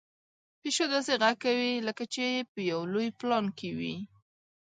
پيشو داسې غږ کوي لکه چې په یو لوی پلان کې وي.